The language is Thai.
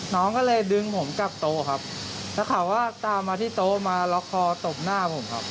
น้องก็เลยดึงผมกลับโต๊ะครับแล้วเขาก็ตามมาที่โต๊ะมาล็อกคอตบหน้าผมครับ